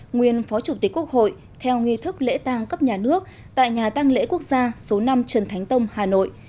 nguyên phó chủ tịch quốc hội theo nghi thức lễ tang cấp nhà nước tại nhà tăng lễ quốc gia số năm trần thánh tông hà nội